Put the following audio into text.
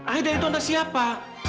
aida itu entah siapa